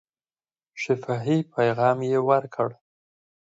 شفاهي پیغام یې ورکړ.